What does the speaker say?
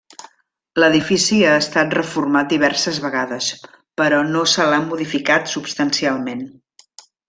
L'edifici ha estat reformat diverses vegades, però no se l'ha modificat substancialment.